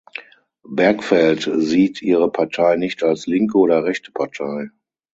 Bergfeld sieht ihre Partei nicht als linke oder rechte Partei.